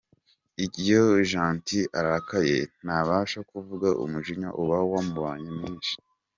Iyo Gentil arakaye ntabasha kuvuga umujinya uba wamubanye mwinshi.